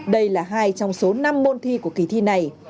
đây là hai trong số năm môn thi của kỳ thi này